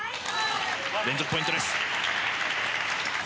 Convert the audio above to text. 連続ポイントです。